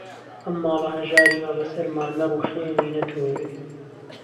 ئهم ماڵه ههژاریمه به سهرما نهڕووخێنی، نهتۆری